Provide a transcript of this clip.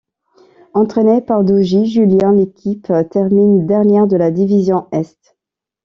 Entraînée par Doggie Julian, l'équipe termine dernière de la Division Est.